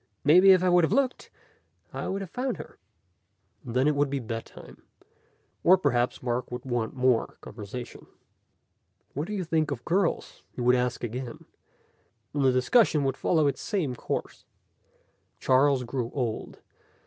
"Maybe if I would have looked, I would have found her." And then it would be bedtime. Or perhaps Mark would want more conversation. "What do you think of girls?" he would ask again, and the discussion would follow its same course. Charles grew old.